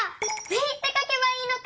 「０」ってかけばいいのか！